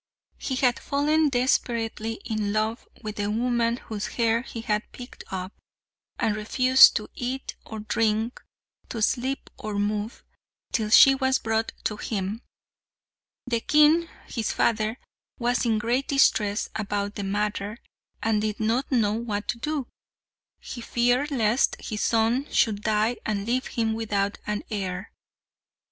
He had fallen desperately in love with the woman whose hair he had picked up, and refused to eat, or drink, or sleep, or move, till she was brought to him. The king, his father, was in great distress about the matter, and did not know what to do. He feared lest his son should die and leave him without an heir.